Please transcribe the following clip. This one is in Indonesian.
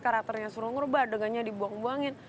karakternya suruh ngerubah adegannya dibuang buangin